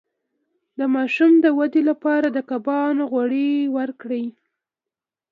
د ماشوم د ودې لپاره د کبانو غوړي ورکړئ